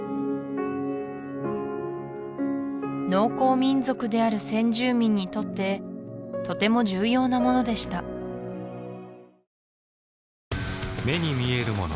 農耕民族である先住民にとってとても重要なものでした目に見えるもの